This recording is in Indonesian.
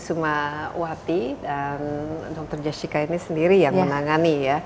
sumawati dan dr jessica ini sendiri yang menangani ya